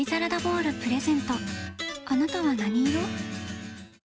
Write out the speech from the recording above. あなたは何色？